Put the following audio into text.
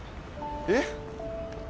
えっ。